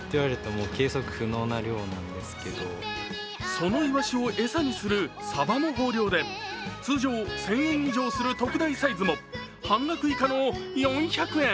そのイワシを餌にするサバも豊漁で通常１０００円以上する特大サイズも半額以下の４００円。